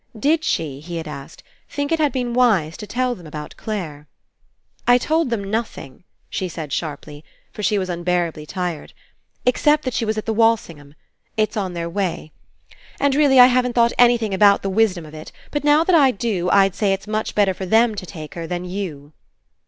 Did she, he had asked, think It had been wise to tell them about Clare? "I told them nothing," she said sharply, for she was unbearably tired, "except that she was at the Walsingham. It's on their way. And, really, I haven't thought anything about the wisdom of it, but now that I do, I'd say it's much better for them to take her than you.'